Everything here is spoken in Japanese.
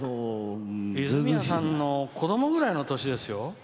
泉谷さんの子どもくらいの年ですよ。